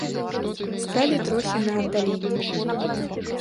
Сталі трохі на аддаленні.